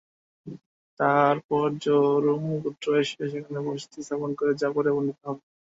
তারপর জুরহুম গোত্র এসে সেখানে বসতি স্থাপন করে যা পরে বর্ণিত হবে।